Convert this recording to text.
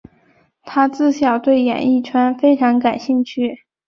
她自小对演艺圈非常感兴趣。